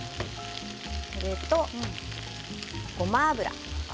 それとごま油。